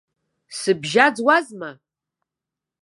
Сыбжьаӡуазма!